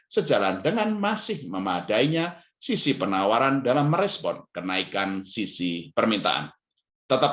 sejalan dengan masih memadainya sisi penawaran dalam merespon kenaikan sisi permintaan tetap